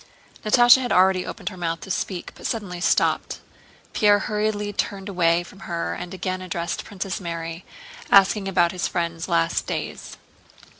Natásha had already opened her mouth to speak but suddenly stopped. Pierre hurriedly turned away from her and again addressed Princess Mary, asking about his friend's last days.